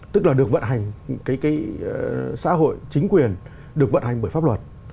tức là được vận hành cái xã hội chính quyền được vận hành bởi pháp luật